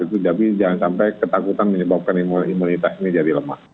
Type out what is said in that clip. tapi jangan sampai ketakutan menyebabkan imunitas ini jadi lemah